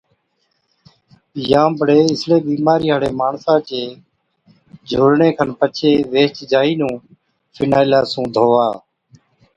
يان بڙي اِسڙِي بِيمارِي هاڙي ماڻسا چي جھُولڻي کن پڇي ويهچ جائِي نُون فِنائِيلا سُون ڌُووا